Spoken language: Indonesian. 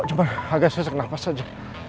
cuma agak susah susah nafas aja